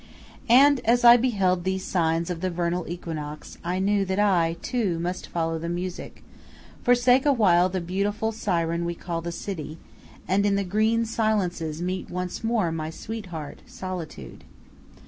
And as I beheld these signs of the vernal equinox I knew that I, too, must follow the music, forsake awhile the beautiful siren we call the city, and in the green silences meet once more my sweetheart Solitude.